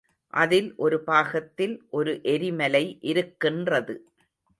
அதில் ஒரு பாகத்தில் ஒரு எரிமலை இருக்கின்றது.